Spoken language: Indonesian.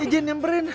ya jen nyemberin